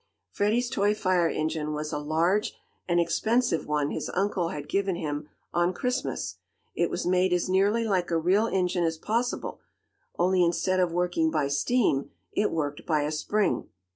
Freddie's toy fire engine was a large and expensive one his uncle had given him on Christmas. It was made as nearly like a real engine as possible, only instead of working by steam, it worked by a spring.